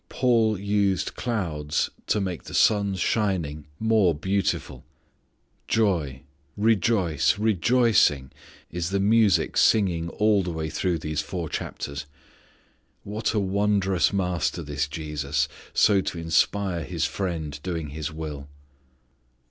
Paul used clouds to make the sun's shining more beautiful. Joy, rejoice, rejoicing, is the music singing all the way through these four chapters. What a wondrous Master, this Jesus, so to inspire His friend doing His will!